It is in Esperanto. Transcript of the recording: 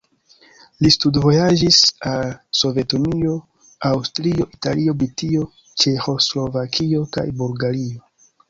Li studvojaĝis al Sovetunio, Aŭstrio, Italio, Britio, Ĉeĥoslovakio kaj Bulgario.